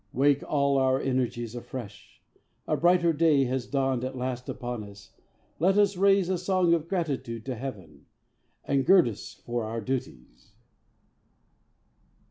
Wake all our energies afresh! A brighter day Has dawned at last upon us. Let us raise A song of gratitude to Heaven, And gird us for our duties."